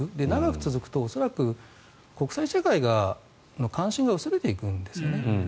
長く続くと恐らく国際社会の関心が薄れていくんですね。